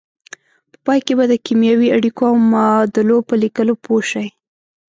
په پای کې به د کیمیاوي اړیکو او معادلو په لیکلو پوه شئ.